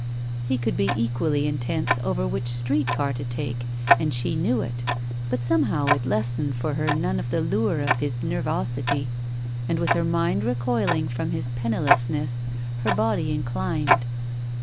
He could be equally intense over which street car to take, and she knew it, but somehow it lessened for her none of the lure of his nervosity, and with her mind recoiling from his pennilessness her body inclined.